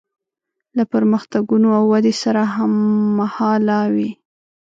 له پرمختګونو او ودې سره هممهاله وي.